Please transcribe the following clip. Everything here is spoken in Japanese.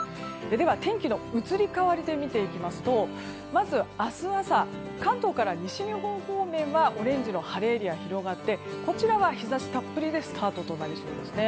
では、天気の移り変わりで見ていきますとまず明日朝関東から西日本方面は晴れエリアが広がってこちらは日差したっぷりでスタートとなりそうですね。